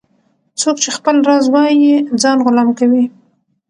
- څوک چي خپل راز وایې ځان غلام کوي.